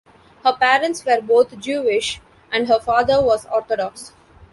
Her parents were both Jewish, and her father was Orthodox.